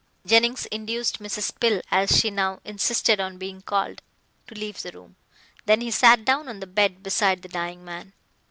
Jennings induced Mrs. Pill, as she now insisted on being called, to leave the room. Then he sat down on the bed beside the dying man.